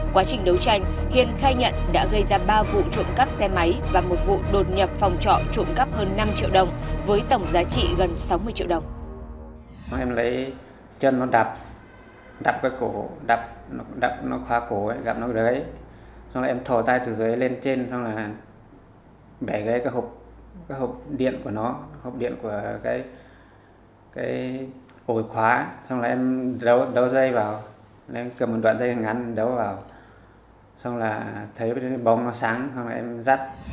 quá trình đấu tranh hiền khai nhận đã gây ra ba vụ trộm cắp xe máy và một vụ đột nhập phòng trọ trộm cắp hơn năm triệu đồng với tổng giá trị gần sáu mươi triệu đồng với tổng giá trị gần sáu mươi triệu đồng với tổng giá trị gần sáu mươi triệu đồng